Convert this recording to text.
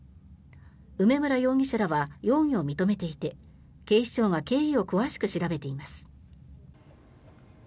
梅村容疑者らは容疑を認めていて警視庁が経緯を詳しく調べています。